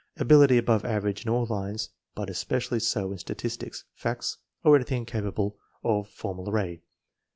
" Ability above aver age in all lines, but especially so in statistics, facts, or anything capable of formal array.